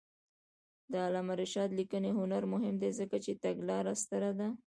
د علامه رشاد لیکنی هنر مهم دی ځکه چې تګلاره ستره ده.